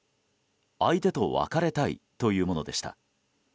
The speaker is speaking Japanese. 相手と別れたいというものでした。